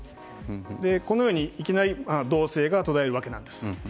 このようにいきなり動静が途絶えるわけです。